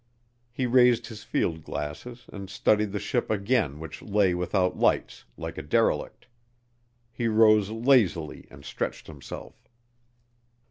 He raised his field glasses and studied the ship again which lay without lights, like a derelict. He rose lazily and stretched himself.